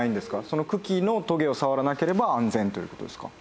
その茎のトゲを触らなければ安全という事ですか？